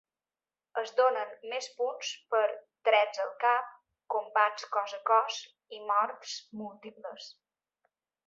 Es donen més punts per trets al cap, combats cos a cos i morts múltiples.